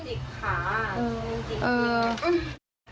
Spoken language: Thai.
จิกขาจิกจิก